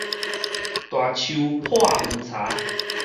大樹破有柴